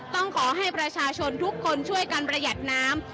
ต้องขอให้ประชาชนทุกคนช่วยกันประหยัดน้ำ